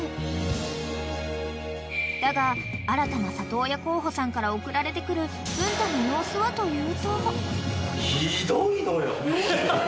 ［だが新たな里親候補さんから送られてくる文太の様子はというと］